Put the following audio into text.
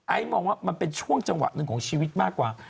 มองว่ามันเป็นช่วงจังหวะหนึ่งของชีวิตมากกว่า